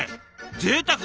ぜいたく！